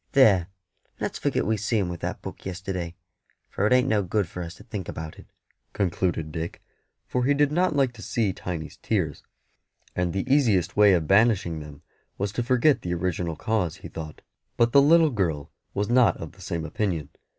There, let's forget we see him with that book yesterday, for it ain't no good for us to think about it," concluded Dick; for he did not like to see Tiny's tears, and the easiest way of banishing them was to forget the original cause, he thought. But the little girl was not of the same opinion.